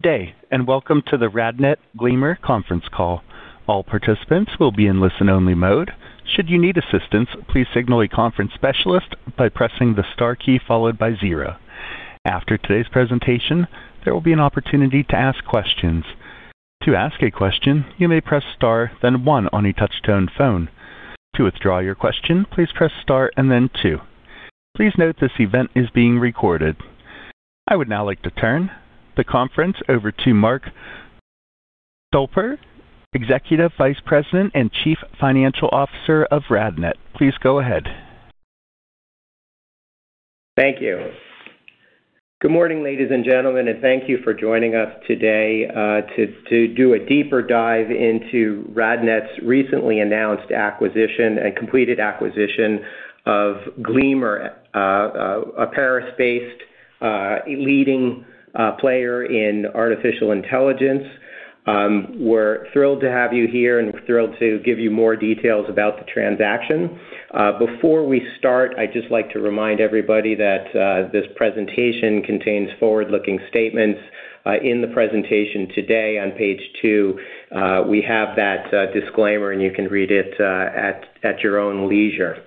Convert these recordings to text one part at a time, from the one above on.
Good day. Welcome to the RadNet Gleamer Conference Call. All participants will be in listen-only mode. Should you need assistance, please signal a conference specialist by pressing the star key followed by zero. After today's presentation, there will be an opportunity to ask questions. To ask a question, you may press star then one on a touch-tone phone. To withdraw your question, please press star and then two. Please note this event is being recorded. I would now like to turn the conference over to Mark Stolper, Executive Vice President and Chief Financial Officer of RadNet. Please go ahead. Thank you. Good morning, ladies and gentlemen, thank you for joining us today to do a deeper dive into RadNet's recently announced acquisition and completed acquisition of Gleamer, a Paris-based, leading player in artificial intelligence. We're thrilled to have you here and thrilled to give you more details about the transaction. Before we start, I'd just like to remind everybody that this presentation contains forward-looking statements. In the presentation today on page two, we have that disclaimer, and you can read it at your own leisure.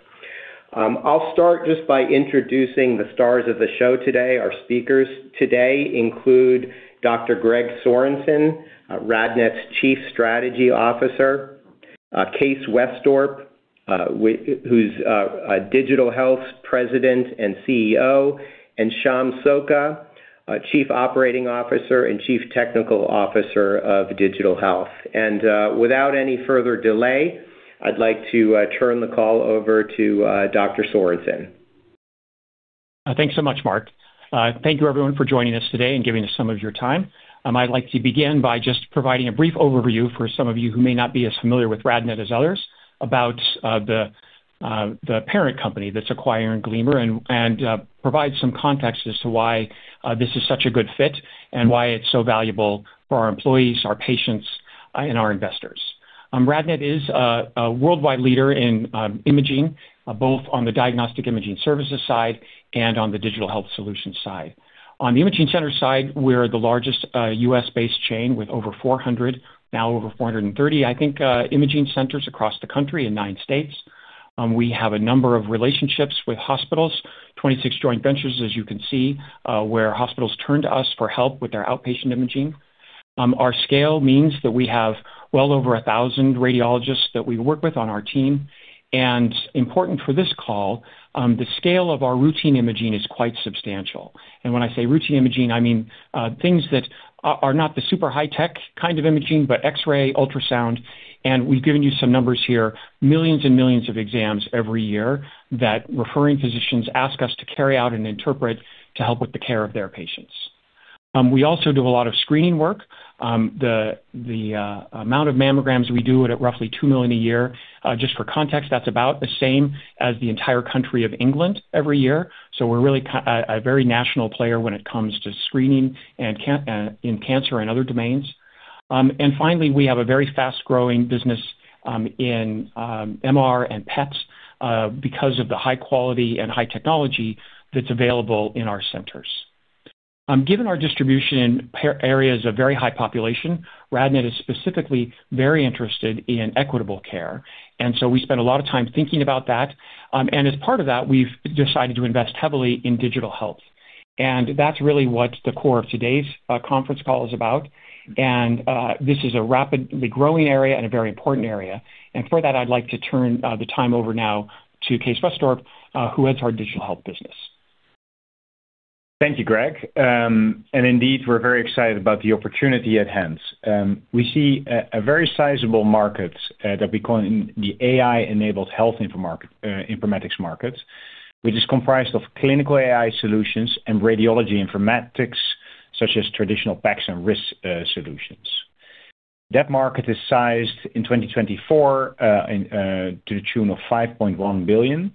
I'll start just by introducing the stars of the show today. Our speakers today include Dr. Gregory Sorensen, RadNet's Chief Strategy Officer, Kees Wesdorp, who's our Digital Health President and CEO, and Sham Sokka, our Chief Operating Officer and Chief Technical Officer of Digital Health. Without any further delay, I'd like to turn the call over to Dr. Sorensen. Thanks so much, Mark. Thank you everyone for joining us today and giving us some of your time. I'd like to begin by just providing a brief overview for some of you who may not be as familiar RadNet as others about the parent company that's acquiring Gleamer and provide some context as to why this is such a good fit and why it's so valuable for our employees, our patients, and our investors. RadNet is a worldwide leader in imaging, both on the diagnostic imaging services side and on the digital health solution side. On the imaging center side, we're the largest U.S.-based chain with over 400, now over 430, I think, imaging centers across the country in nine states. We have a number of relationships with hospitals, 26 joint ventures, as you can see, where hospitals turn to us for help with their outpatient imaging. Our scale means that we have well over 1,000 radiologists that we work with on our team. Important for this call, the scale of our routine imaging is quite substantial. When I say routine imaging, I mean things that are not the super high tech kind of imaging, but X-ray, ultrasound, and we've given you some numbers here, millions and millions of exams every year that referring physicians ask us to carry out and interpret to help with the care of their patients. We also do a lot of screening work. The amount of mammograms we do at roughly 2 million a year. Just for context, that's about the same as the entire country of England every year. We're really a very national player when it comes to screening and in cancer and other domains. Finally, we have a very fast-growing business in MR and PETs because of the high quality and high technology that's available in our centers. Given our distribution in areas of very high population, RadNet is specifically very interested in equitable care, we spend a lot of time thinking about that. As part of that, we've decided to invest heavily in digital health. That's really what the core of today's conference call is about. This is a rapidly growing area and a very important area. For that, I'd like to turn the time over now to Kees Wesdorp, who heads our digital health business. Thank you, Greg. Indeed, we're very excited about the opportunity at Aidence. We see a very sizable market that we call in the AI-enabled health informatics market, which is comprised of clinical AI solutions and radiology informatics, such as traditional PACS and RIS solutions. That market is sized in 2024 to the tune of $5.1 billion,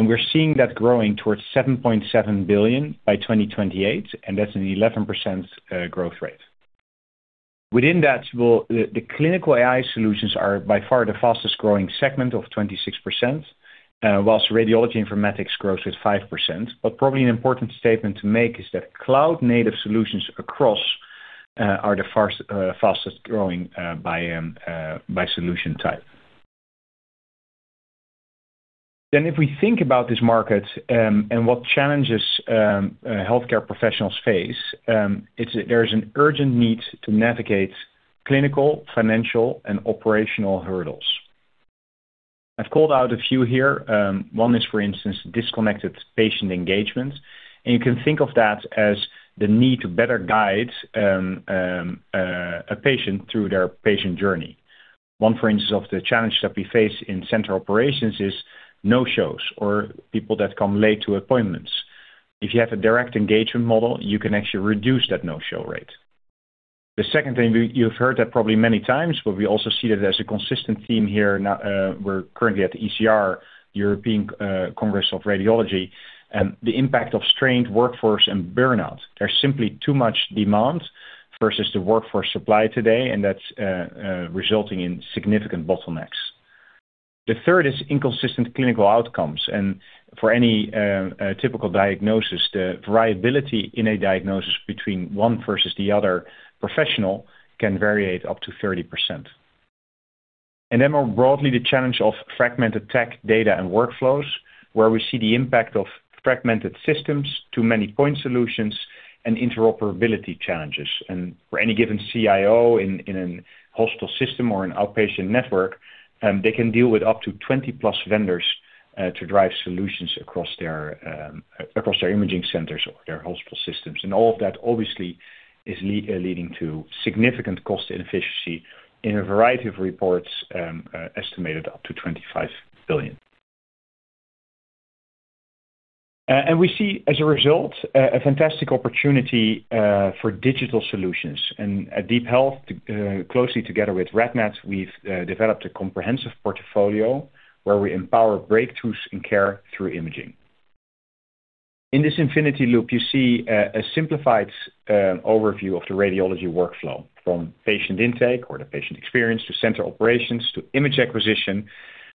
we're seeing that growing towards $7.7 billion by 2028, that's an 11% growth rate. Within that, the clinical AI solutions are by far the fastest-growing segment of 26%, whilst radiology informatics grows with 5%. Probably an important statement to make is that cloud-native solutions across are the fastest-growing by solution type. If we think about this market, and what challenges healthcare professionals face, there's an urgent need to navigate clinical, financial, and operational hurdles. I've called out a few here. One is, for instance, disconnected patient engagement, and you can think of that as the need to better guide a patient through their patient journey. One, for instance, of the challenges that we face in central operations is no-shows or people that come late to appointments. If you have a direct engagement model, you can actually reduce that no-show rate. The second thing, you've heard that probably many times, but we also see that as a consistent theme here now, we're currently at ECR, European Congress of Radiology, the impact of strained workforce and burnout. There's simply too much demand versus the workforce supply today, that's resulting in significant bottlenecks. The third is inconsistent clinical outcomes. For any typical diagnosis, the variability in a diagnosis between one versus the other professional can variate up to 30%. More broadly, the challenge of fragmented tech data and workflows, where we see the impact of fragmented systems, too many point solutions and interoperability challenges. For any given CIO in an hospital system or an outpatient network, they can deal with up to 20+ vendors to drive solutions across their imaging centers or their hospital systems. All of that obviously is leading to significant cost inefficiency in a variety of reports, estimated up to $25 billion. We see as a result, a fantastic opportunity for digital solutions. At DeepHealth, closely together with RadNet, we've developed a comprehensive portfolio where we empower breakthroughs in care through imaging. In this infinity loop, you see a simplified overview of the radiology workflow, from patient intake or the patient experience, to center operations, to image acquisition,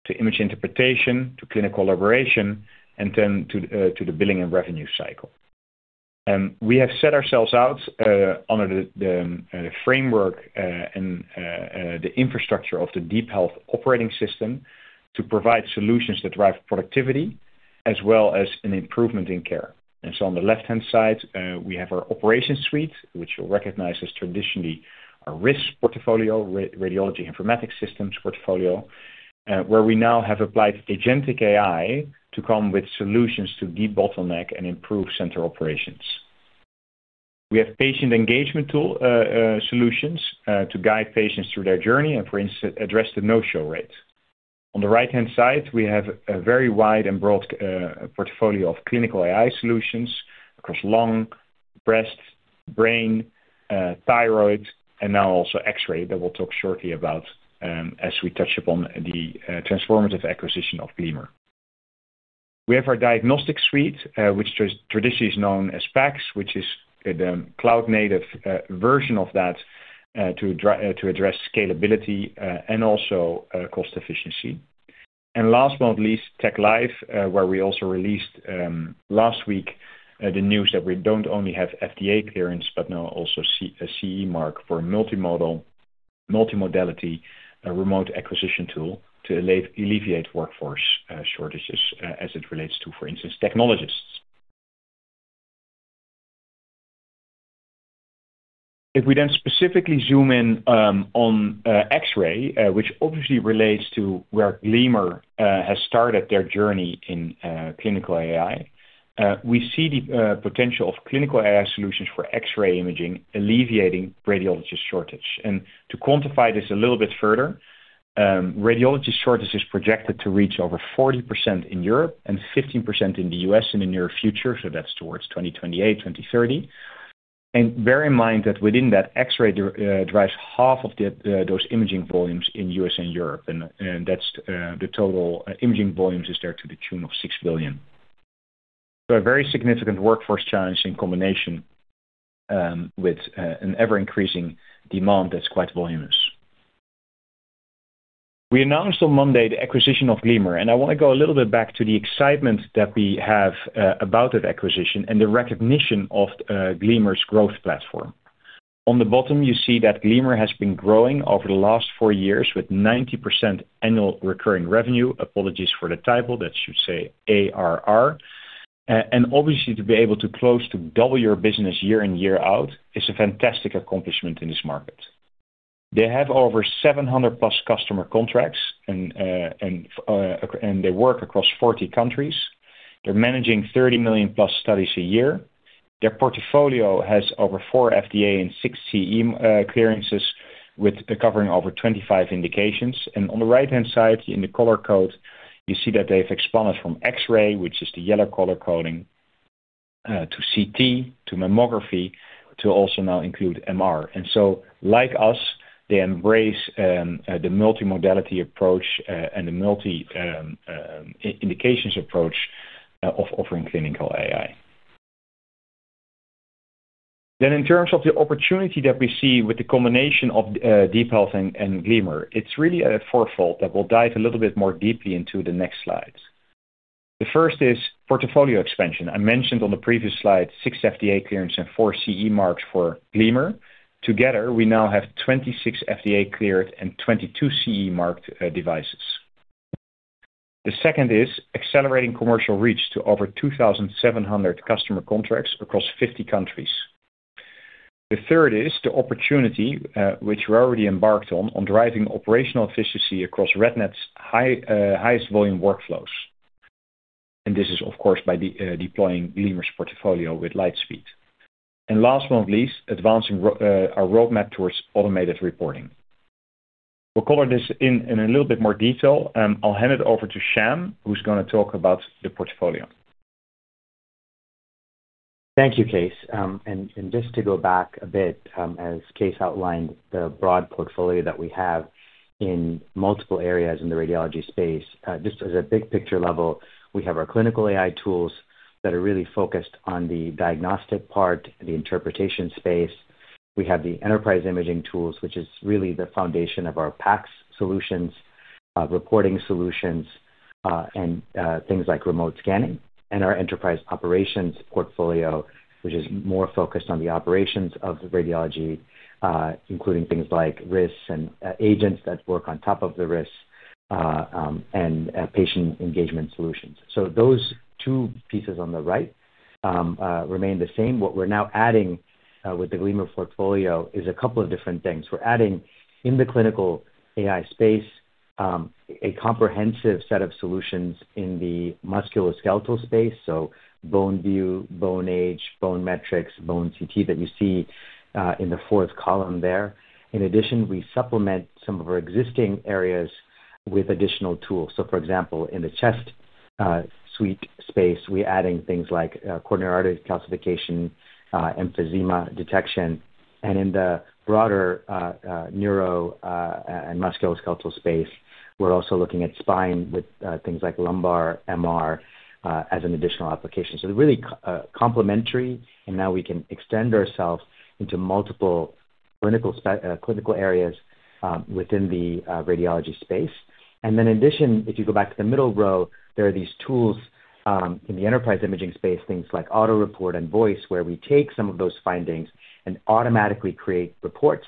to image interpretation, to clinical collaboration, and then to the billing and revenue cycle. We have set ourselves out under the framework and the infrastructure of the DeepHealth operating system to provide solutions that drive productivity as well as an improvement in care. On the left-hand side, we have our Operations Suite, which you'll recognize as traditionally our RIS portfolio, Radiology Informatics Systems portfolio, where we now have applied agentic AI to come with solutions to de-bottleneck and improve center operations. We have patient engagement tool solutions to guide patients through their journey and for instance, address the no-show rates. On the right-hand side, we have a very wide and broad portfolio of clinical AI solutions across lung, breast, brain, thyroid, and now also X-ray that we'll talk shortly about as we touch upon the transformative acquisition of Gleamer. We have our Diagnostic Suite, which is traditionally is known as PACS, which is the cloud-native version of that to address scalability and also cost efficiency. Last but not least, TechLive, where we also released last week the news that we don't only have FDA clearance but now also CE mark for multimodality remote acquisition tool to alleviate workforce shortages as it relates to, for instance, technologists. We then specifically zoom in on X-ray, which obviously relates to where Gleamer has started their journey in clinical AI, we see the potential of clinical AI solutions for X-ray imaging alleviating radiologist shortage. To quantify this a little bit further, radiologist shortage is projected to reach over 40% in Europe and 15% in the U.S. in the near future, so that's towards 2028, 2030. Bear in mind that within that X-ray, drives half of those imaging volumes in U.S. and Europe, and that's the total imaging volumes is there to the tune of $6 billion. A very significant workforce challenge in combination with an ever-increasing demand that's quite voluminous. We announced on Monday the acquisition of Gleamer. I wanna go a little bit back to the excitement that we have about that acquisition and the recognition of Gleamer's growth platform. On the bottom, you see that Gleamer has been growing over the last four years with 90% annual recurring revenue. Apologies for the typo. That should say ARR. Obviously, to be able to close to double your business year in, year out is a fantastic accomplishment in this market. They have over 700+ customer contracts and they work across 40 countries. They're managing 30 million+ studies a year. Their portfolio has over four FDA and six CE clearances with covering over 25 indications. On the right-hand side, in the color code, you see that they've expanded from X-ray, which is the yellow color coding, to CT, to mammography, to also now include MR. Like us, they embrace the multimodality approach and the multi-indications approach of offering clinical AI. In terms of the opportunity that we see with the combination of DeepHealth and Gleamer, it's really a four-fold that we'll dive a little bit more deeply into the next slides. The first is portfolio expansion. I mentioned on the previous slide, six FDA clearance and four CE marks for Gleamer. Together, we now have 26 FDA cleared and 22 CE marked devices. The second is accelerating commercial reach to over 2,700 customer contracts across 50 countries. The third is the opportunity, which we're already embarked on driving operational efficiency across RadNet's highest volume workflows. This is of course by deploying Gleamer's portfolio with lightspeed. Last but not least, advancing our roadmap towards automated reporting. We'll color this in a little bit more detail. I'll hand it over to Sham, who's gonna talk about the portfolio. Thank you, Kees. Just to go back a bit, as Kees outlined the broad portfolio that we have in multiple areas in the radiology space, just as a big picture level, we have our clinical AI tools that are really focused on the diagnostic part, the interpretation space. We have the enterprise imaging tools, which is really the foundation of our PACS solutions, reporting solutions, and things like remote scanning and our enterprise operations portfolio, which is more focused on the operations of the radiology, including things like RIS and agents that work on top of the RIS, and patient engagement solutions. Those two pieces on the right remain the same. What we're now adding with the Gleamer portfolio is a couple of different things. We're adding in the clinical AI space, a comprehensive set of solutions in the musculoskeletal space, so BoneView, BoneAge, BoneMetrics, BoneCT that you see in the fourth column there. In addition, we supplement some of our existing areas with additional tools. For example, in the chest suite space, we're adding things like coronary artery calcification, emphysema detection. In the broader neuro and musculoskeletal space, we're also looking at spine with things like lumbar MRI as an additional application. Really complementary, and now we can extend ourselves into multiple clinical areas within the radiology space. In addition, if you go back to the middle row, there are these tools in the enterprise imaging space, things like auto report and voice, where we take some of those findings and automatically create reports.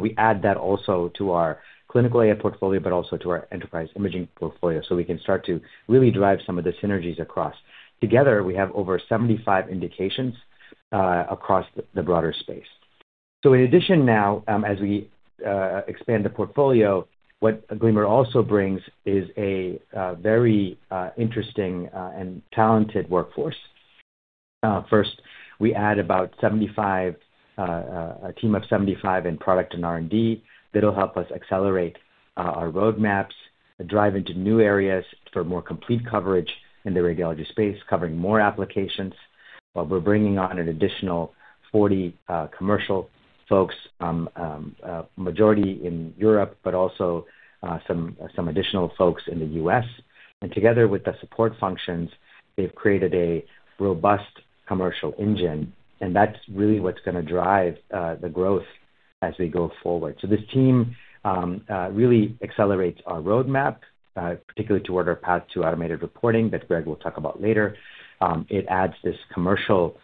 We add that also to our clinical AI portfolio, but also to our enterprise imaging portfolio, so we can start to really drive some of the synergies across. Together, we have over 75 indications across the broader space. In addition now, as we expand the portfolio, what Gleamer also brings is a very interesting and talented workforce. First, we add about a team of 75 in product and R&D that'll help us accelerate our roadmaps and drive into new areas for more complete coverage in the radiology space, covering more applications. We're bringing on an additional 40 commercial folks, majority in Europe, but also some additional folks in the U.S. Together with the support functions, they've created a robust commercial engine, and that's really what's gonna drive the growth as we go forward. This team really accelerates our roadmap, particularly toward our path to automated reporting that Greg will talk about later. It adds this commercial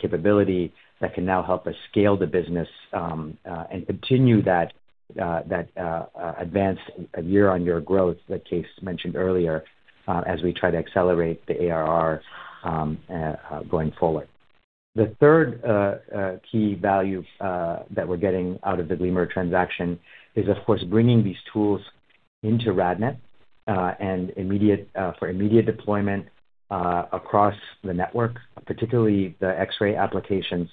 capability that can now help us scale the business and continue that advanced year-over-year growth that Keith mentioned earlier, as we try to accelerate the ARR going forward. The third key value that we're getting out of the Gleamer transaction is, of course, bringing these tools into RadNet, for immediate deployment across the network, particularly the X-ray applications,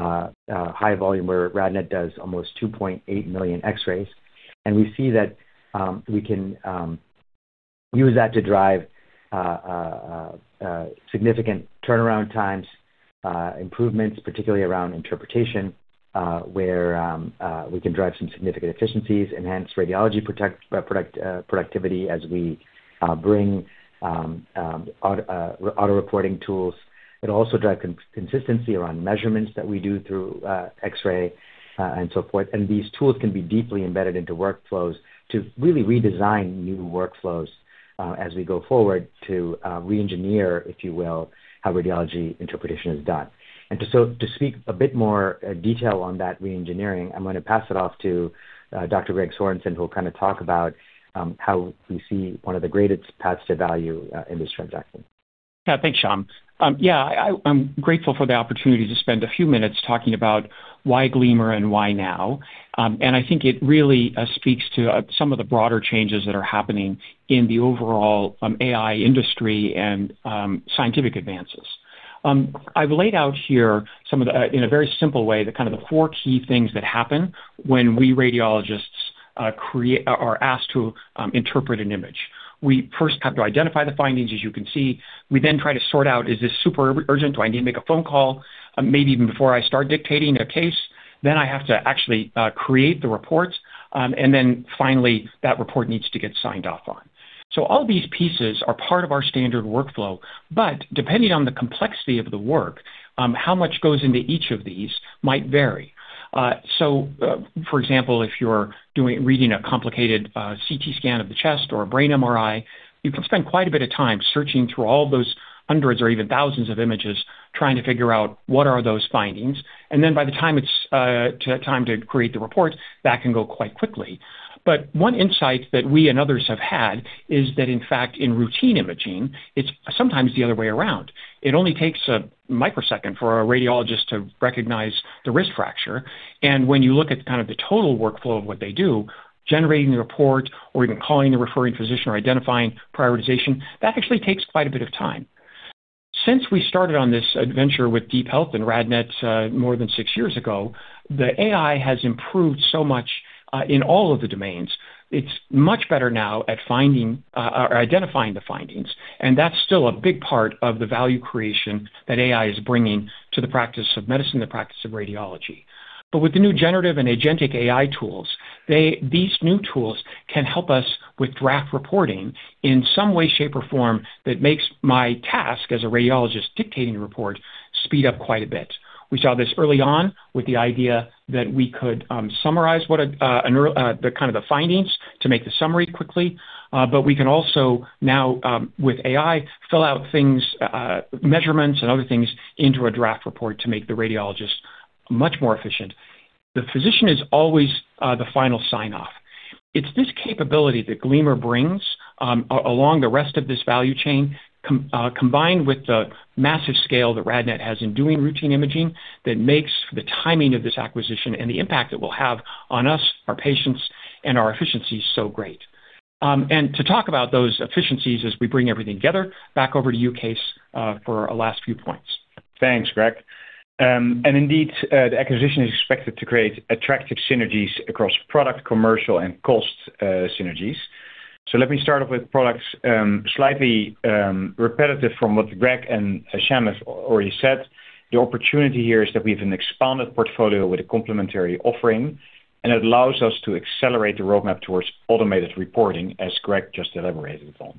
high volume, where RadNet does almost 2.8 million X-rays. We see that we can use that to drive significant turnaround times, improvements, particularly around interpretation, where we can drive some significant efficiencies, enhance radiology productivity as we bring auto-reporting tools. It'll also drive consistency around measurements that we do through X-ray, and so forth. These tools can be deeply embedded into workflows to really redesign new workflows, as we go forward to reengineer, if you will, how radiology interpretation is done. To speak a bit more, detail on that reengineering, I'm gonna pass it off to, Dr. Greg Sorensen, who'll kind of talk about, how we see one of the greatest paths to value, in this transaction. Thanks, Sham. Yeah, I'm grateful for the opportunity to spend a few minutes talking about why Gleamer and why now. I think it really speaks to some of the broader changes that are happening in the overall AI industry and scientific advances. I've laid out here some of the in a very simple way, the kind of the four key things that happen when we radiologists are asked to interpret an image. We first have to identify the findings, as you can see. We then try to sort out, is this super urgent? Do I need to make a phone call? Maybe even before I start dictating a case. I have to actually create the reports. Finally, that report needs to get signed off on. All these pieces are part of our standard workflow, depending on the complexity of the work, how much goes into each of these might vary. For example, if you're reading a complicated CT scan of the chest or a brain MRI, you can spend quite a bit of time searching through all those hundreds or even thousands of images, trying to figure out what are those findings. By the time it's time to create the report, that can go quite quickly. One insight that we and others have had is that, in fact, in routine imaging, it's sometimes the other way around. It only takes a microsecond for a radiologist to recognize the wrist fracture. When you look at kind of the total workflow of what they do, generating the report or even calling the referring physician or identifying prioritization, that actually takes quite a bit of time. Since we started on this adventure with DeepHealth and RadNet, more than six years ago, the AI has improved so much in all of the domains. It's much better now at finding or identifying the findings, and that's still a big part of the value creation that AI is bringing to the practice of medicine, the practice of radiology. With the new generative and agentic AI tools, these new tools can help us with draft reporting in some way, shape, or form that makes my task as a radiologist dictating a report speed up quite a bit. We saw this early on with the idea that we could summarize what the kind of the findings to make the summary quickly. We can also now, with AI, fill out things, measurements and other things into a draft report to make the radiologist much more efficient. The physician is always the final sign-off. It's this capability that Gleamer brings along the rest of this value chain combined with the massive scale that RadNet has in doing routine imaging that makes the timing of this acquisition and the impact it will have on us, our patients, and our efficiency so great. To talk about those efficiencies as we bring everything together, back over to you, Kees, for our last few points. Thanks, Greg. Indeed, the acquisition is expected to create attractive synergies across product, commercial, and cost synergies. Let me start off with products, slightly repetitive from what Greg and Sham have already said. The opportunity here is that we have an expanded portfolio with a complementary offering, and it allows us to accelerate the roadmap towards automated reporting, as Greg just elaborated on.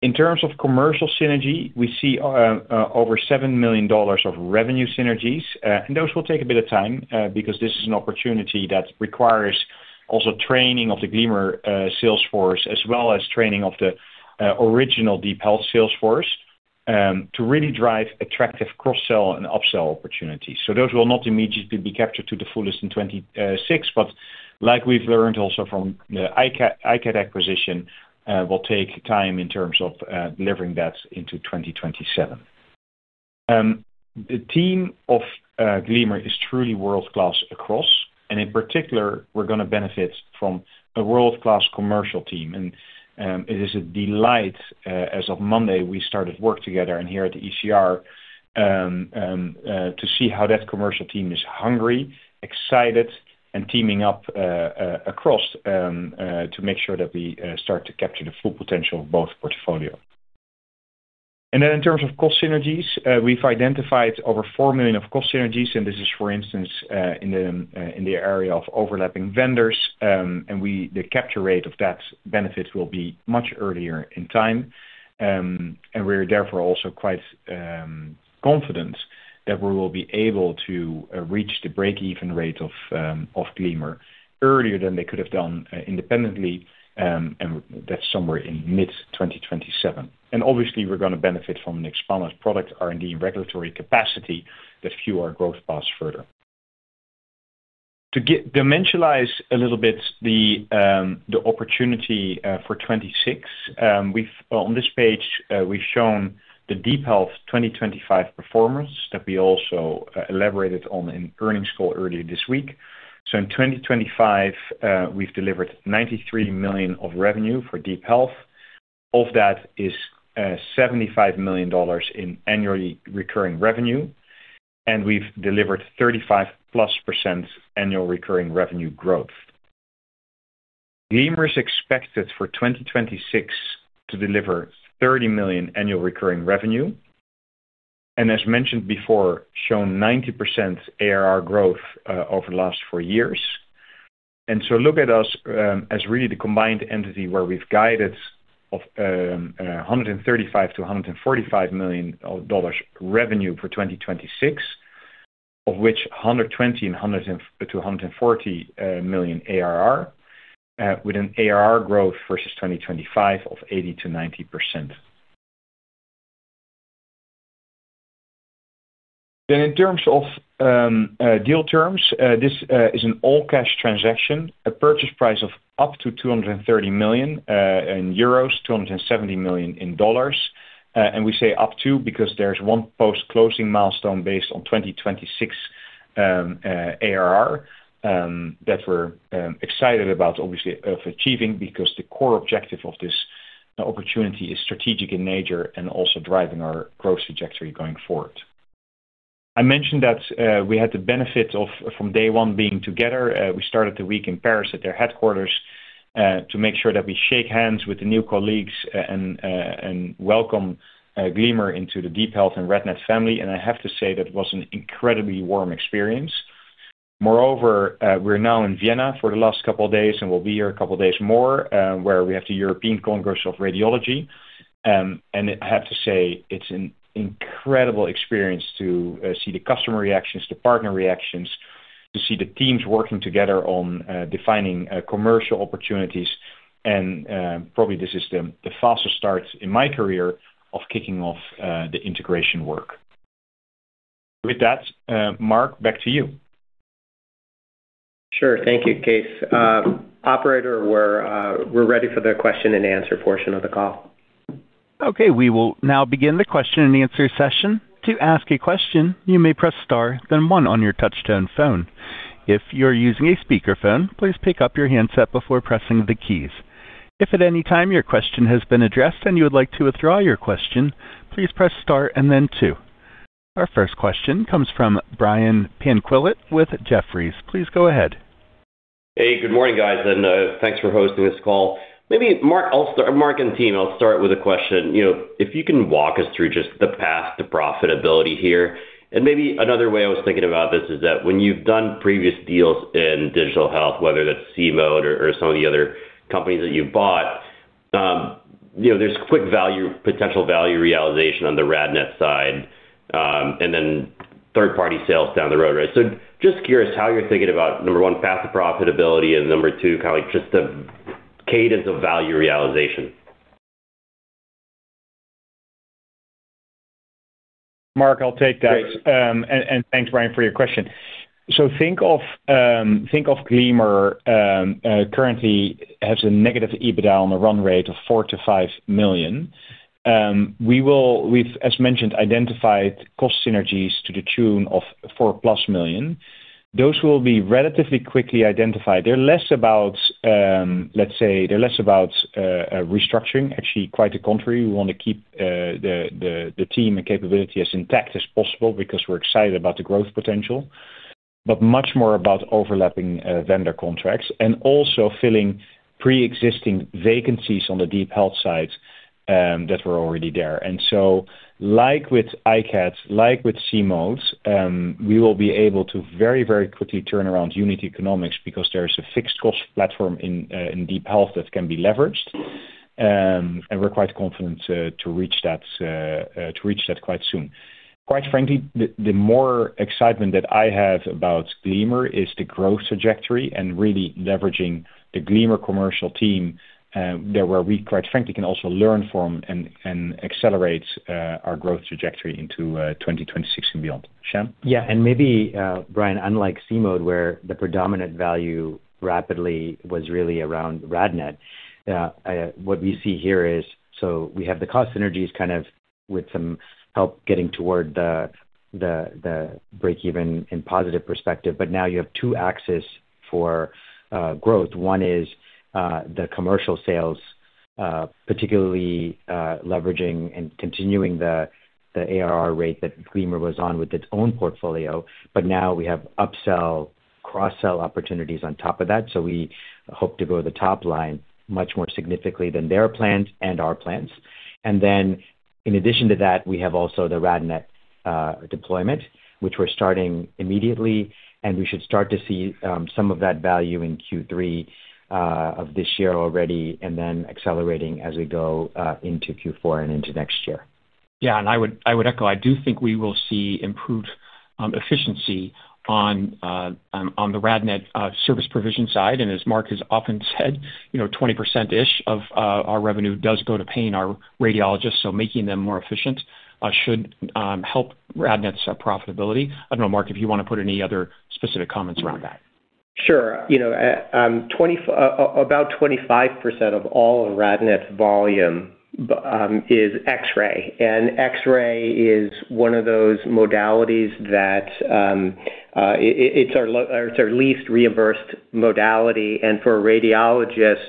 In terms of commercial synergy, we see over $7 million of revenue synergies. Those will take a bit of time because this is an opportunity that requires also training of the Gleamer sales force, as well as training of the original DeepHealth sales force to really drive attractive cross-sell and upsell opportunities. Those will not immediately be captured to the fullest in 2026, but like we've learned also from the iCAD acquisition, will take time in terms of delivering that into 2027. The team of Gleamer is truly world-class across, and in particular, we're gonna benefit from a world-class commercial team. It is a delight, as of Monday, we started work together and here at the ECR, to see how that commercial team is hungry, excited, and teaming up across to make sure that we start to capture the full potential of both portfolio. In terms of cost synergies, we've identified over $4 million of cost synergies, and this is, for instance, in the area of overlapping vendors. The capture rate of that benefit will be much earlier in time. We're therefore also quite confident that we will be able to reach the break-even rate of Gleamer earlier than they could have done independently. That's somewhere in mid-2027. Obviously, we're gonna benefit from an expanded product R&D regulatory capacity that fuel our growth paths further. To dimensionalize a little bit the opportunity for 2026, we've on this page, we've shown the DeepHealth 2025 performance that we also elaborated on in earnings call earlier this week. In 2025, we've delivered $93 million of revenue for DeepHealth. Of that is, $75 million in annually recurring revenue, and we've delivered 35%+ annual recurring revenue growth. Gleamer is expected for 2026 to deliver $30 million annual recurring revenue. As mentioned before, shown 90% ARR growth over the last four years. Look at us as really the combined entity where we've guided of $135 million-$145 million of dollars revenue for 2026, of which $120 million-$140 million ARR, with an ARR growth versus 2025 of 80%-90%. In terms of deal terms, this is an all-cash transaction, a purchase price of up to 230 million in euros, $270 million in dollars. We say up to because there's one post-closing milestone based on 2026 ARR that we're excited about obviously of achieving because the core objective of this opportunity is strategic in nature and also driving our growth trajectory going forward. I mentioned that we had the benefit of from day one being together. We started the week in Paris at their headquarters to make sure that we shake hands with the new colleagues and welcome Gleamer into the DeepHealth and RadNet family. I have to say that was an incredibly warm experience. Moreover, we're now in Vienna for the last couple of days, and we'll be here a couple of days more, where we have the European Congress of Radiology. I have to say it's an incredible experience to see the customer reactions, the partner reactions, to see the teams working together on defining commercial opportunities. Probably this is the fastest start in my career of kicking off the integration work. With that, Mark, back to you. Sure. Thank you, Kees. Operator, we're ready for the question and answer portion of the call. Okay. We will now begin the question and answer session. To ask a question, you may press star then one on your touchtone phone. If you're using a speakerphone, please pick up your handset before pressing the keys. If at any time your question has been addressed and you would like to withdraw your question, please press star and then two. Our first question comes from Brian Tanquilut with Jefferies. Please go ahead. Hey, good morning, guys, and thanks for hosting this call. Maybe Mark and team, I'll start with a question. You know, if you can walk us through just the path to profitability here. Maybe another way I was thinking about this is that when you've done previous deals in digital health, whether that's See-Mode or some of the other companies that you've bought. you know, there's quick potential value realization on the RadNet side, and then third-party sales down the road, right? Just curious how you're thinking about, number one, path to profitability, and number two, kind of like just the cadence of value realization. Mark, I'll take that. Great. Thanks, Brian, for your question. Think of Gleamer currently has a negative EBITDA on a run rate of $4 million-$5 million. We've, as mentioned, identified cost synergies to the tune of $4 million+. Those will be relatively quickly identified. They're less about restructuring. Actually, quite the contrary. We wanna keep the team and capability as intact as possible because we're excited about the growth potential, but much more about overlapping vendor contracts and also filling pre-existing vacancies on the DeepHealth side that were already there. Like with iCAD, like with See-Mode, we will be able to very, very quickly turn around unit economics because there is a fixed cost platform in DeepHealth that can be leveraged, and we're quite confident to reach that quite soon. Quite frankly, the more excitement that I have about Gleamer is the growth trajectory and really leveraging the Gleamer commercial team that where we quite frankly can also learn from and accelerate our growth trajectory into 2026 and beyond. Shan? Yeah, maybe, Brian, unlike See-Mode, where the predominant value rapidly was really around RadNet, what we see here is so we have the cost synergies kind of with some help getting toward the break even in positive perspective, but now you have two axis for growth. One is the commercial sales, particularly leveraging and continuing the ARR rate that Gleamer was on with its own portfolio, but now we have upsell, cross-sell opportunities on top of that, so we hope to grow the top line much more significantly than their plans and our plans. In addition to that, we have also the RadNet deployment, which we're starting immediately, and we should start to see some of that value in Q3 of this year already, and then accelerating as we go into Q4 and into next year. Yeah, I would echo, I do think we will see improved efficiency on the RadNet service provision side. As Mark has often said, you know, 20%-ish of our revenue does go to paying our radiologists. Making them more efficient should help RadNet's profitability. I don't know, Mark, if you wanna put any other specific comments around that. Sure. You know, about 25% of all of RadNet's volume, is X-ray, and X-ray is one of those modalities that it's our least reimbursed modality. For a radiologist,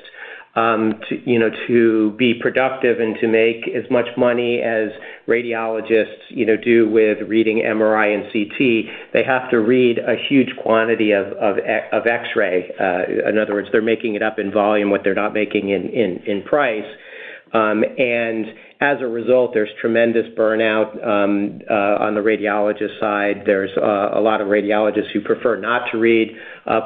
to, you know, to be productive and to make as much money as radiologists, you know, do with reading MRI and CT, they have to read a huge quantity of X-ray. In other words, they're making it up in volume what they're not making in price. As a result, there's tremendous burnout on the radiologist side. There's a lot of radiologists who prefer not to read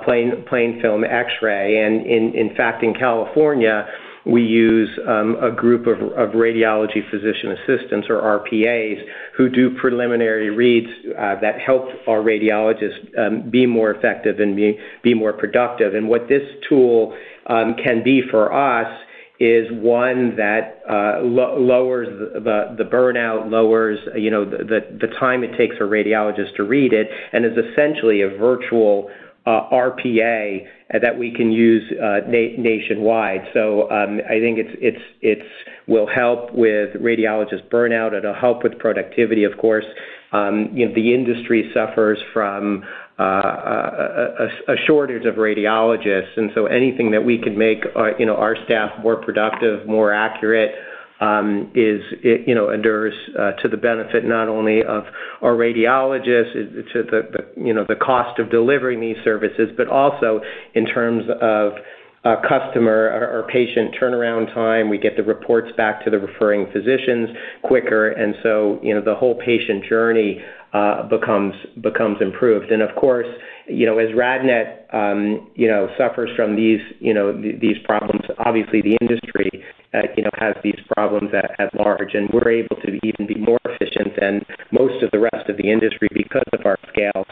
plain film X-ray. In fact, in California, we use a group of radiology physician assistants or RPAs who do preliminary reads that help our radiologists be more effective and more productive. What this tool can be for us is one that lowers the burnout, lowers, you know, the time it takes for radiologists to read it and is essentially a virtual RPA that we can use nationwide. I think it's will help with radiologist burnout, it'll help with productivity of course. You know, the industry suffers from a shortage of radiologists. Anything that we can make our, you know, our staff more productive, more accurate, you know, endures to the benefit not only of our radiologists, it's to the, you know, the cost of delivering these services, but also in terms of customer or patient turnaround time. We get the reports back to the referring physicians quicker. You know, the whole patient journey becomes improved. Of course, you know, as RadNet, you know, suffers from these, you know, these problems, obviously the industry, you know, has these problems at large, and we're able to even be more efficient than most of the rest of the industry because of our scale.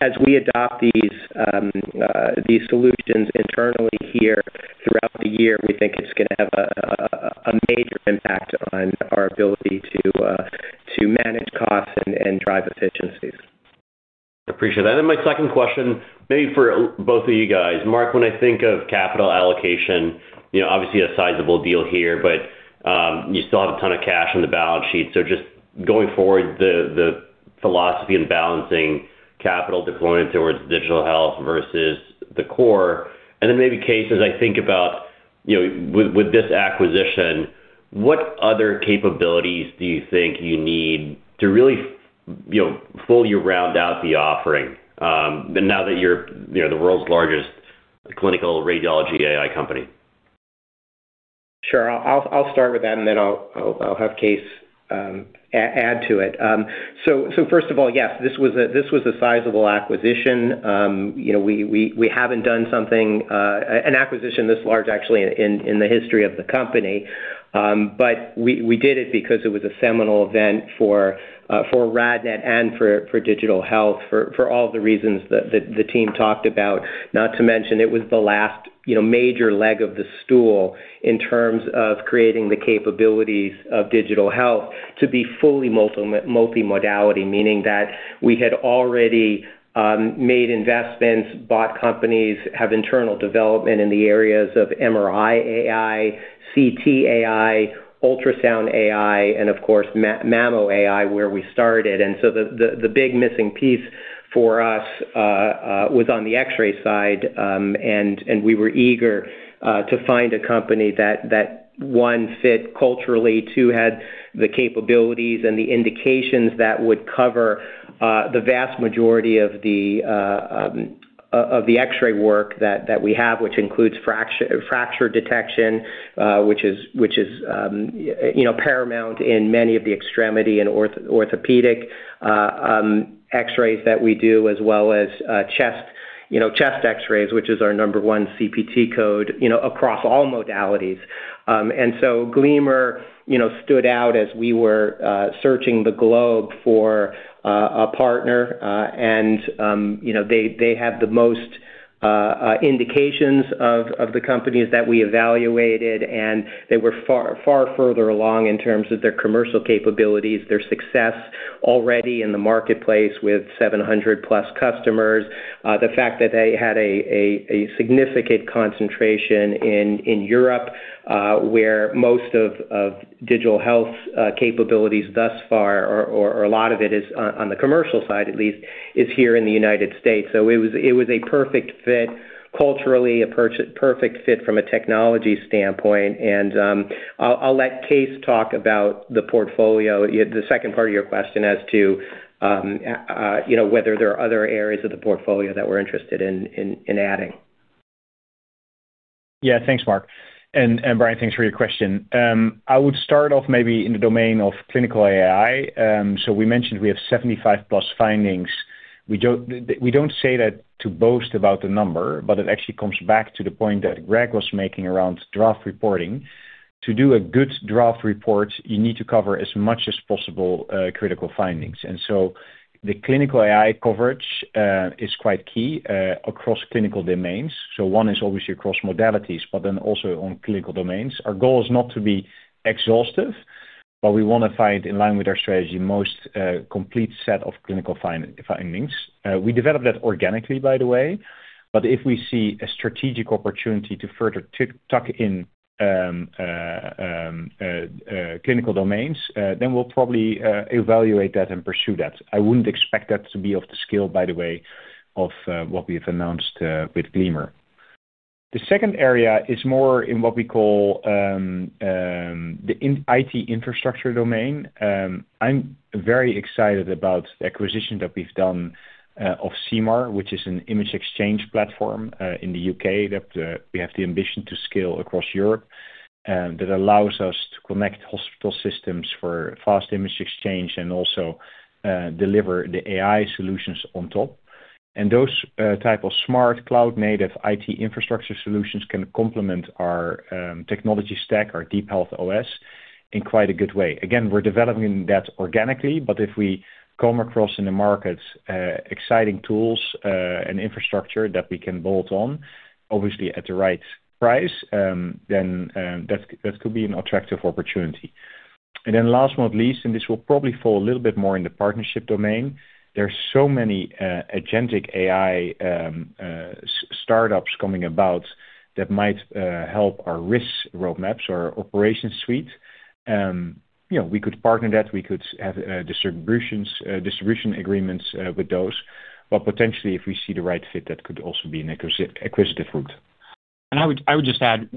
As we adopt these solutions internally here throughout the year, we think it's going to have a major impact on our ability to manage costs and drive efficiencies. Appreciate that. My second question, maybe for both of you guys. Mark, when I think of capital allocation, you know, obviously a sizable deal here, but you still have a ton of cash on the balance sheet. Just going forward, the philosophy in balancing capital deployment towards Digital Health versus the core, and then maybe Kees, as I think about, you know, with this acquisition, what other capabilities do you think you need to really, you know, fully round out the offering, now that you're, you know, the world's largest clinical radiology AI company? I'll start with that, then I'll have Kees add to it. First of all, yes, this was a, this was a sizable acquisition. You know, we haven't done something, an acquisition this large actually in the history of the company. We did it because it was a seminal event for RadNet and for Digital Health for all the reasons that the team talked about. Not to mention it was the last, you know, major leg of the stool in terms of creating the capabilities of Digital Health to be fully multimodality, meaning that we had already made investments, bought companies, have internal development in the areas of MRI, AI, CTAI, ultrasound AI, and of course, Mammo AI, where we started. The big missing piece for us was on the X-ray side. We were eager to find a company that, one, fit culturally. Two, had the capabilities and the indications that would cover the vast majority of the of the X-ray work that we have, which includes fracture detection, which is, you know, paramount in many of the extremity and orthopedics X-rays that we do, as well as chest, you know, chest X-rays, which is our number one CPT code, you know, across all modalities. Gleamer, you know, stood out as we were searching the globe for a partner. You know, they have the most indications of the companies that we evaluated, and they were far further along in terms of their commercial capabilities, their success already in the marketplace with 700+ customers. The fact that they had a significant concentration in Europe, where most of Digital Health's capabilities thus far, or a lot of it is on the commercial side at least, is here in the United States. It was a perfect fit culturally, a perfect fit from a technology standpoint. I'll let Kees talk about the portfolio, the second part of your question as to, you know, whether there are other areas of the portfolio that we're interested in adding. Yeah, thanks, Mark. Brian, thanks for your question. I would start off maybe in the domain of clinical AI. We mentioned we have 75+ findings. We don't say that to boast about the number, but it actually comes back to the point that Greg was making around draft reporting. To do a good draft report, you need to cover as much as possible, critical findings. The clinical AI coverage is quite key across clinical domains. One is obviously across modalities, also on clinical domains. Our goal is not to be exhaustive, but we want to find in line with our strategy, most complete set of clinical findings. We develop that organically, by the way. If we see a strategic opportunity to further tick, tuck in clinical domains, then we'll probably evaluate that and pursue that. I wouldn't expect that to be of the scale, by the way, of what we have announced with Gleamer. The second area is more in what we call the IT infrastructure domain. I'm very excited about the acquisition that we've done of CIMAR, which is an image exchange platform in the U.K., that we have the ambition to scale across Europe, that allows us to connect hospital systems for fast image exchange and also deliver the AI solutions on top. Those type of smart cloud-native IT infrastructure solutions can complement our technology stack, our DeepHealth OS, in quite a good way. Again, we're developing that organically, but if we come across in the markets, exciting tools and infrastructure that we can bolt on, obviously at the right price, then that could be an attractive opportunity. Last but not least, and this will probably fall a little bit more in the partnership domain. There are so many agentic AI startups coming about that might help our risk roadmaps or Operations Suite. You know, we could partner that, we could have distributions, distribution agreements with those. Potentially, if we see the right fit, that could also be an acquisitive route. I would just add,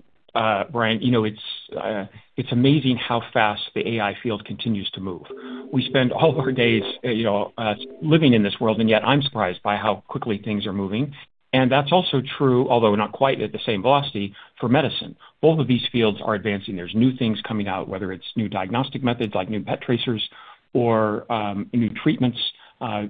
Brian, you know, it's amazing how fast the AI field continues to move. We spend all of our days, you know, living in this world, and yet I'm surprised by how quickly things are moving. That's also true, although not quite at the same velocity for medicine. Both of these fields are advancing. There's new things coming out, whether it's new diagnostic methods like new PET tracers or new treatments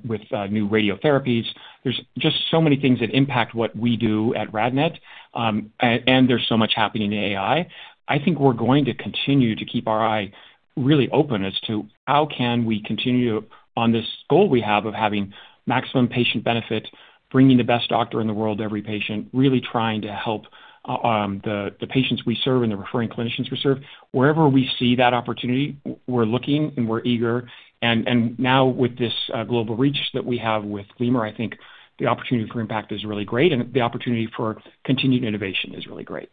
with new radiotherapies. There's just so many things that impact what we do at RadNet, and there's so much happening in AI. I think we're going to continue to keep our eye really open as to how can we continue on this goal we have of having maximum patient benefit, bringing the best doctor in the world to every patient, really trying to help the patients we serve and the referring clinicians we serve. Wherever we see that opportunity, we're looking and we're eager. Now with this global reach that we have with Gleamer, I think the opportunity for impact is really great and the opportunity for continued innovation is really great.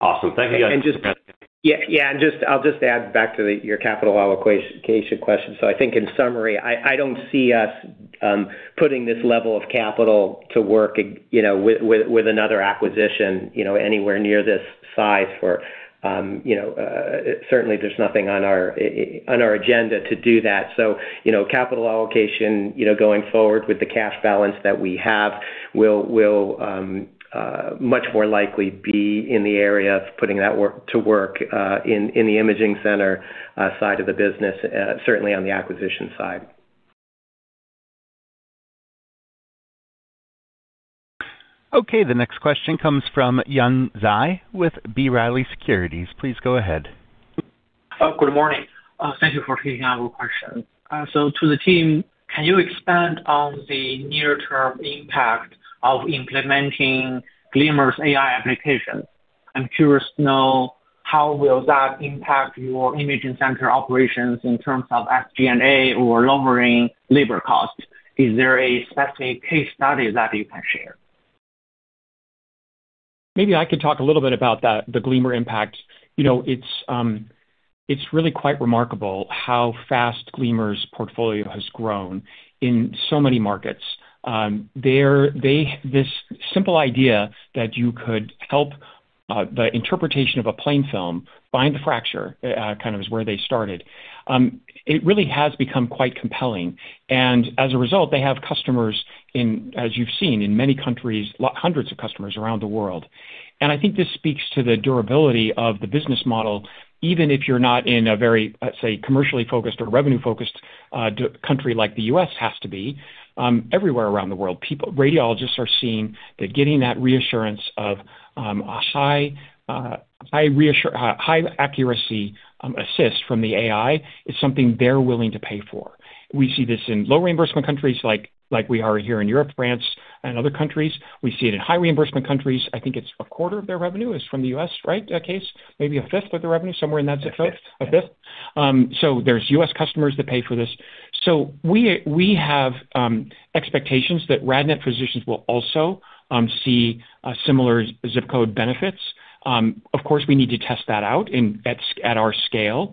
Awesome. Thank you guys. Yeah, yeah. I'll just add back to the, your capital allocation question. I think in summary, I don't see us putting this level of capital to work, you know, with another acquisition, you know, anywhere near this size for, you know, certainly there's nothing on our agenda to do that. You know, capital allocation, you know, going forward with the cash balance that we have will much more likely be in the area of putting that work to work in the imaging center side of the business, certainly on the acquisition side. Okay. The next question comes from Yuan Zhi with B. Riley Securities. Please go ahead. Good morning. Thank you for taking our question. To the team, can you expand on the near term impact of implementing Gleamer's AI application? I'm curious to know how will that impact your imaging center operations in terms of SG&A or lowering labor costs. Is there a specific case study that you can share? Maybe I could talk a little bit about that, the Gleamer impact. You know, it's really quite remarkable how fast Gleamer's portfolio has grown in so many markets. This simple idea that you could help the interpretation of a plain film find the fracture, kind of is where they started. It really has become quite compelling. As a result, they have customers in, as you've seen in many countries, hundreds of customers around the world. I think this speaks to the durability of the business model. Even if you're not in a very, let's say, commercially focused or revenue focused country like the U.S. has to be, everywhere around the world, people. Radiologists are seeing that getting that reassurance of a high accuracy assist from the AI is something they're willing to pay for. We see this in low reimbursement countries like we are here in Europe, France and other countries. We see it in high reimbursement countries. I think it's a quarter of their revenue is from the U.S., right, Kees? Maybe a fifth of the revenue, somewhere in that zip code. A fifth. A fifth. There's U.S. customers that pay for this. We have expectations that RadNet physicians will also see similar zip code benefits. Of course, we need to test that out at our scale.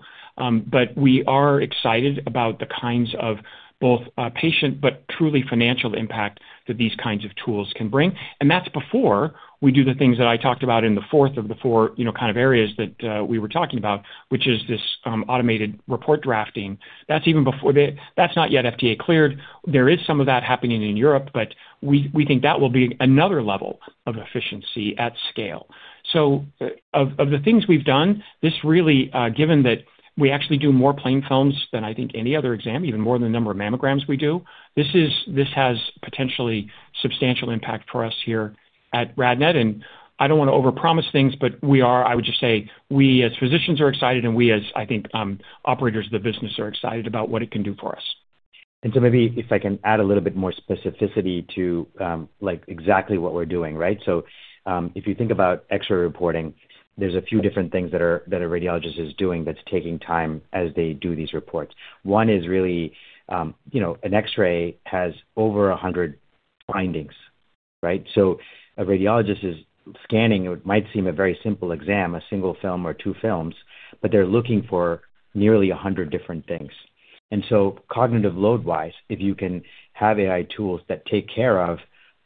We are excited about the kinds of both patient but truly financial impact that these kinds of tools can bring. That's before we do the things that I talked about in the fourth of the four, you know, kind of areas that we were talking about which is this automated report drafting. That's even before the-- That's not yet FDA cleared. There is some of that happening in Europe. We think that will be another level of efficiency at scale. Of the things we've done, this really, given that we actually do more plain films than I think any other exam even more than the number of mammograms we do, this has potentially substantial impact for us here at RadNet. I don't wanna overpromise things, but we are I would just say we as physicians are excited and we as I think, operators of the business are excited about what it can do for us. Maybe if I can add a little bit more specificity to, like exactly what we're doing, right? If you think about X-ray reporting, there's a few different things that a radiologist is doing that's taking time as they do these reports. One is really, you know, an X-ray has over 100 findings, right? A radiologist is scanning what might seem a very simple exam, a single film or two films, but they're looking for nearly 100 different things. Cognitive load wise, if you can have AI tools that take care of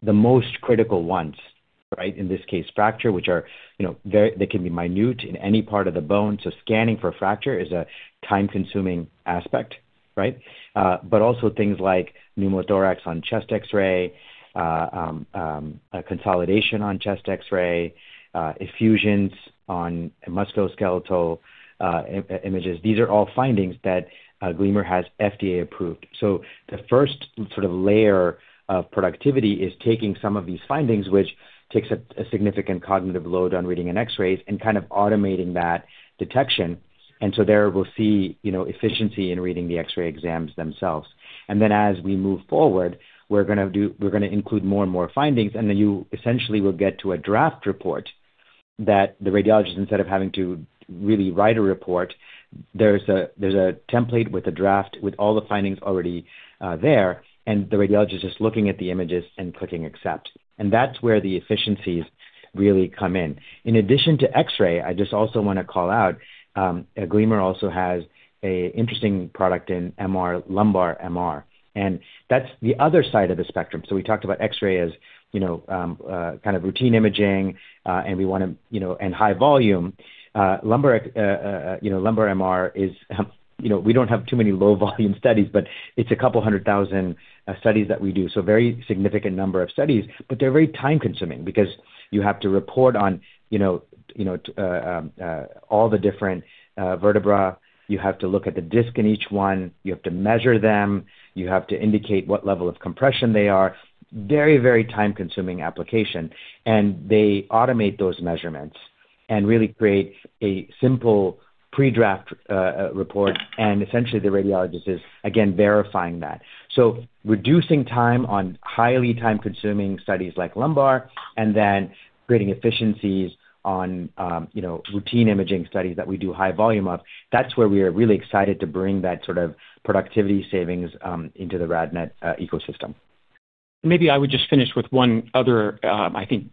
the most critical ones, right? In this case, fracture, which are, you know, very. They can be minute in any part of the bone. Scanning for fracture is a time-consuming aspect, right? But also things like pneumothorax on chest X-ray, consolidation on chest X-ray, effusions on musculoskeletal images. These are all findings that Gleamer has FDA approved. The first sort of layer of productivity is taking some of these findings, which takes a significant cognitive load on reading an X-rays and kind of automating that detection. There we'll see, you know, efficiency in reading the X-ray exams themselves. As we move forward, we're gonna include more and more findings, you essentially will get to a draft report that the radiologist instead of having to really write a report, there's a template with a draft with all the findings already there and the radiologist is just looking at the images and clicking accept. That's where the efficiencies really come in. In addition to X-ray, I just also wanna call out, Gleamer also has an interesting product in lumbar MRI, and that's the other side of the spectrum. We talked about X-ray as, you know, kind of routine imaging, and we wanna, you know, high volume. Lumbar, you know, lumbar MRI is, you know, we don't have too many low volume studies, but it's 200,000 studies that we do. Very significant number of studies, but they're very time consuming because you have to report on, you know, all the different vertebra. You have to look at the disc in each one. You have to measure them. You have to indicate what level of compression they are. Very time consuming application. They automate those measurements and really create a simple pre-draft report, and essentially the radiologist is again verifying that. Reducing time on highly time-consuming studies like lumbar and then creating efficiencies on, you know, routine imaging studies that we do high volume of, that's where we are really excited to bring that sort of productivity savings into the RadNet ecosystem. Maybe I would just finish with one other, I think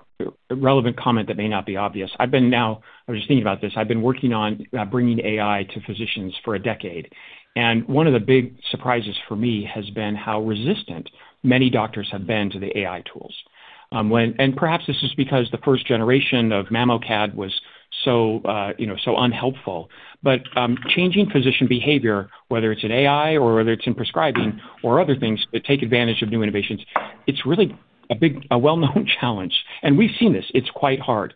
relevant comment that may not be obvious. I was just thinking about this. I've been working on bringing AI to physicians for a decade, one of the big surprises for me has been how resistant many doctors have been to the AI tools. Perhaps this is because the first generation of MammoCAD was so, you know, so unhelpful. Changing physician behavior, whether it's in AI or whether it's in prescribing or other things that take advantage of new innovations, it's really a big, a well-known challenge, and we've seen this. It's quite hard.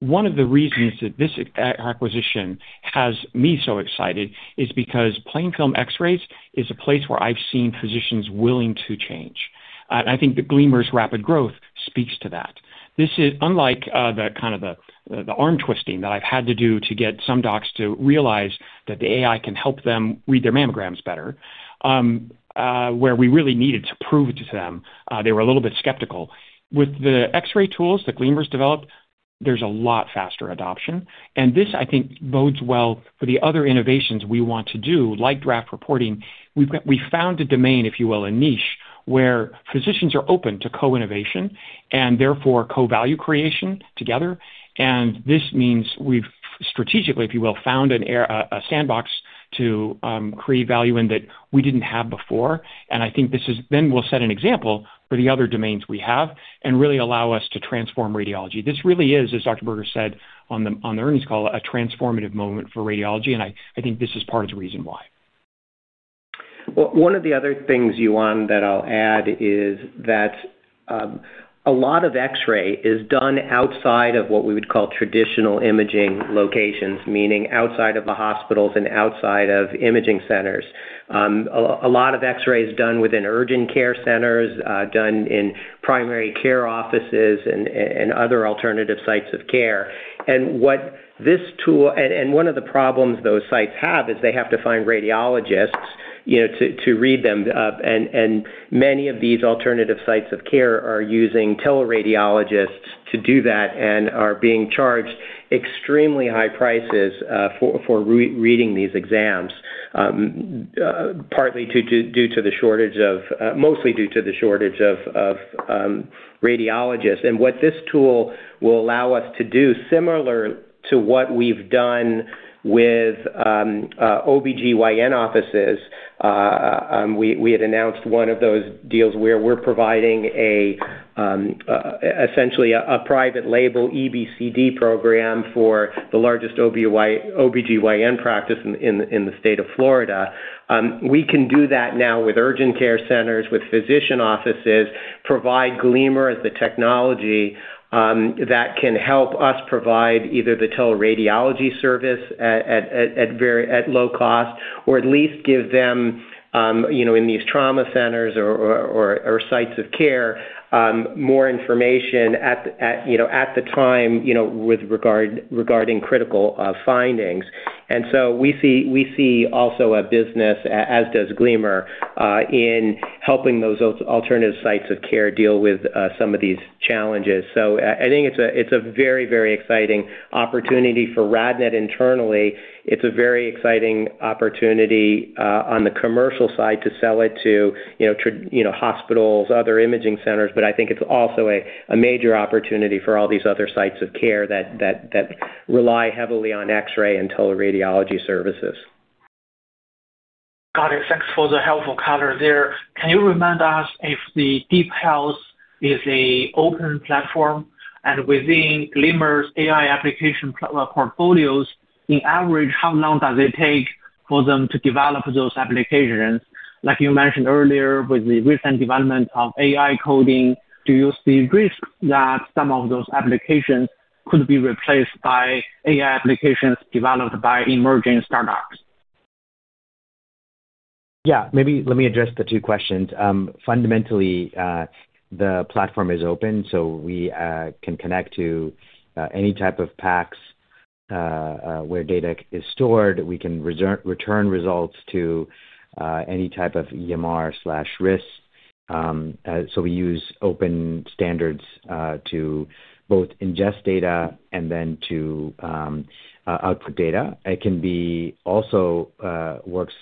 One of the reasons that this acquisition has me so excited is because plain film X-rays is a place where I've seen physicians willing to change. I think that Gleamer's rapid growth speaks to that. This is unlike the kind of the arm twisting that I've had to do to get some docs to realize that the AI can help them read their mammograms better, where we really needed to prove to them, they were a little bit skeptical. With the X-ray tools that Gleamer's developed, there's a lot faster adoption, and this, I think, bodes well for the other innovations we want to do, like draft reporting. We found a domain, if you will, a niche, where physicians are open to co-innovation, and therefore co-value creation together. This means we've strategically, if you will, found a sandbox to create value in that we didn't have before. I think this is then we'll set an example for the other domains we have and really allow us to transform radiology. This really is, as Dr. Berger said on the earnings call, a transformative moment for radiology, and I think this is part of the reason why. One of the other things, Yuan, that I'll add is that a lot of X-ray is done outside of what we would call traditional imaging locations, meaning outside of the hospitals and outside of imaging centers. A lot of X-ray is done within urgent care centers, done in primary care offices and other alternative sites of care. What this tool-- And one of the problems those sites have is they have to find radiologists, you know, to read them. Many of these alternative sites of care are using teleradiologists to do that and are being charged extremely high prices for re-reading these exams, partly due to the shortage of, mostly due to the shortage of radiologists. What this tool will allow us to do, similar to what we've done with OB-GYN offices, we had announced one of those deals where we're providing essentially a private label EBCD program for the largest OB-GYN practice in the state of Florida. We can do that now with urgent care centers, with physician offices, provide Gleamer as the technology that can help us provide either the teleradiology service at low cost or at least give them, you know, in these trauma centers or sites of care, more information at the time, you know, regarding critical findings. We see also a business, as does Gleamer, in helping those alternative sites of care deal with some of these challenges. I think it's a very exciting opportunity for RadNet internally. It's a very exciting opportunity on the commercial side to sell it to, you know, hospitals, other imaging centers. I think it's also a major opportunity for all these other sites of care that rely heavily on X-ray and teleradiology services. Got it. Thanks for the helpful color there. Can you remind us if the DeepHealth is a open platform? Within Gleamer's AI application portfolios, in average, how long does it take for them to develop those applications? Like you mentioned earlier with the recent development of AI coding, do you see risk that some of those applications could be replaced by AI applications developed by emerging startups? Yeah. Maybe let me address the two questions. Fundamentally, the platform is open, so we can connect to any type of PACS where data is stored. We can return results to any type of EMR/RIS. So we use open standards to both ingest data and then to output data. It can be also works,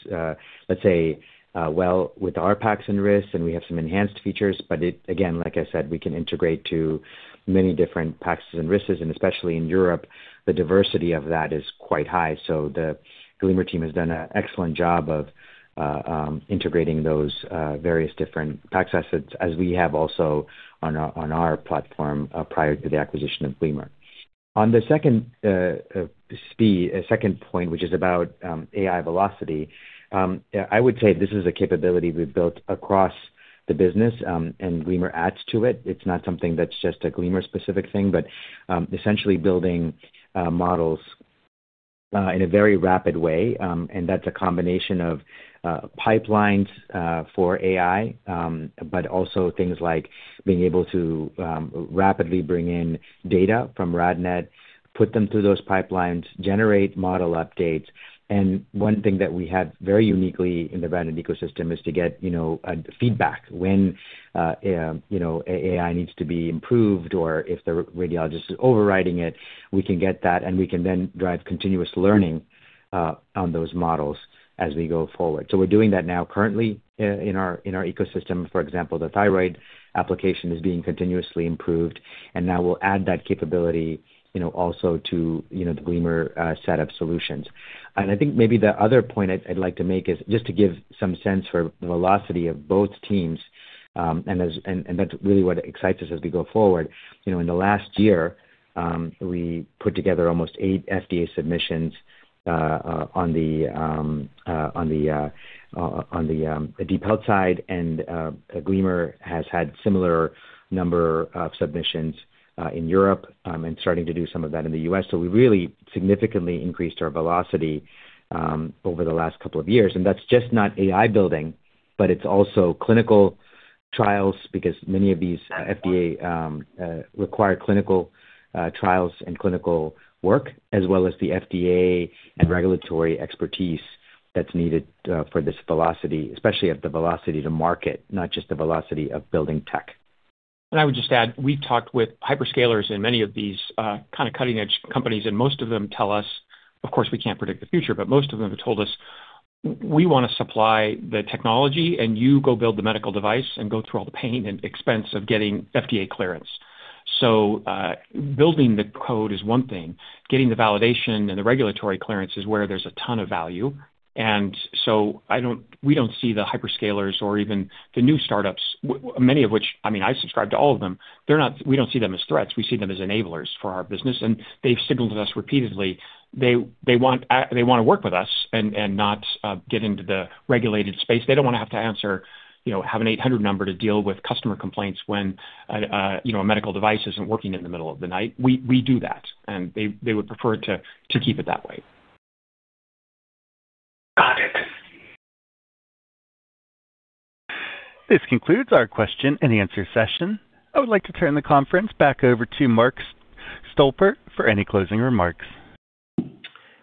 let's say, well with our PACS and RIS, and we have some enhanced features, but again, like I said, we can integrate to many different PACS and RISs, and especially in Europe, the diversity of that is quite high. So the Gleamer team has done an excellent job of integrating those various different PACS assets, as we have also on our platform prior to the acquisition of Gleamer. On the second second point, which is about AI velocity, I would say this is a capability we've built across the business. Gleamer adds to it. It's not something that's just a Gleamer specific thing, but essentially building models in a very rapid way. That's a combination of pipelines for AI, but also things like being able to rapidly bring in data from RadNet, put them through those pipelines, generate model updates. One thing that we have very uniquely in the RadNet ecosystem is to get, you know, feedback when AI needs to be improved or if the radiologist is overriding it, we can get that and we can then drive continuous learning on those models as we go forward. We're doing that now currently in our, in our ecosystem. For example, the thyroid application is being continuously improved, now we'll add that capability, you know, also to, you know, the Gleamer set of solutions. I think maybe the other point I'd like to make is just to give some sense for the velocity of both teams, and that's really what excites us as we go forward. You know, in the last year, we put together almost eight FDA submissions on the DeepHealth side, Gleamer has had similar number of submissions in Europe, starting to do some of that in the U.S. We really significantly increased our velocity over the last couple of years, and that's just not AI building, but it's also clinical trials because many of these FDA require clinical trials and clinical work, as well as the FDA and regulatory expertise that's needed for this velocity, especially at the velocity to market, not just the velocity of building tech. I would just add, we've talked with hyperscalers in many of these, kind of cutting-edge companies, and most of them tell us, of course, we can't predict the future, but most of them have told us, "We wanna supply the technology and you go build the medical device and go through all the pain and expense of getting FDA clearance." Building the code is one thing. Getting the validation and the regulatory clearance is where there's a ton of value. We don't see the hyperscalers or even the new startups, many of which, I mean, I subscribe to all of them. We don't see them as threats. We see them as enablers for our business. They've signaled to us repeatedly, they wanna work with us and not get into the regulated space. They don't wanna have to answer, you know, have an 800 number to deal with customer complaints when, you know, a medical device isn't working in the middle of the night. We do that, and they would prefer to keep it that way. Got it. This concludes our question and answer session. I would like to turn the conference back over to Mark Stolper for any closing remarks.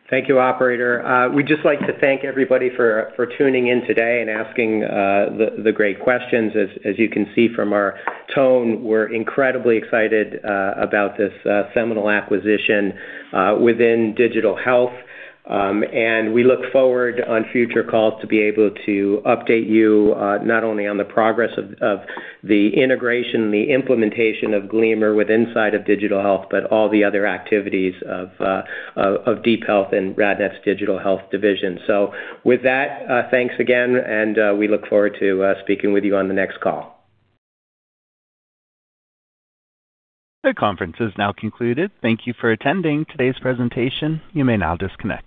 Thank you, operator. We'd just like to thank everybody for tuning in today and asking the great questions. As you can see from our tone, we're incredibly excited about this seminal acquisition within Digital Health. We look forward on future calls to be able to update you not only on the progress of the integration and the implementation of Gleamer with inside of Digital Health, but all the other activities of DeepHealth and RadNet's Digital Health division. With that, thanks again, and we look forward to speaking with you on the next call. The conference is now concluded. Thank you for attending today's presentation. You may now disconnect.